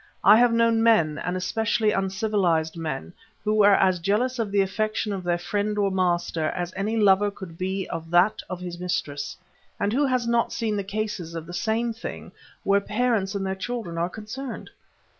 I have known men, and especially uncivilized men, who were as jealous of the affection of their friend or master as any lover could be of that of his mistress; and who has not seen cases of the same thing where parents and their children are concerned?